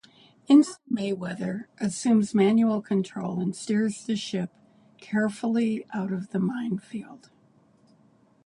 Ensign Mayweather assumes manual control and steers the ship carefully out of the minefield.